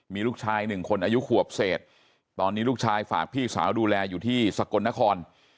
มีลูกชายหนึ่งคนอายุขวบเศษตอนนี้ลูกชายฝากพี่สาวดูแลอยู่ที่สกลนคร